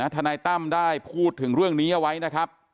ทนายตั้มได้พูดถึงเรื่องนี้เอาไว้นะครับ